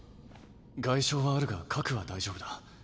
外傷はあるが核は大丈夫だ。